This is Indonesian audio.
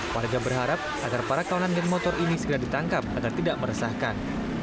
warga berharap agar para kawanan geng motor ini segera ditangkap agar tidak meresahkan